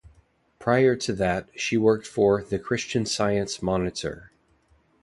Prior to that, she worked for "The Christian Science Monitor".